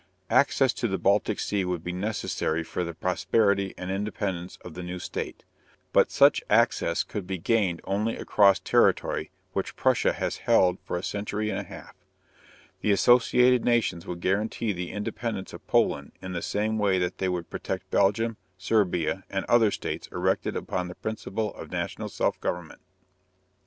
Access to the Baltic Sea would be necessary for the prosperity and independence of the new state. But such access could be gained only across territory which Prussia has held for a century and a half. The associated nations would guarantee the independence of Poland in the same way that they would protect Belgium, Serbia, and the other states erected upon the principle of national self government.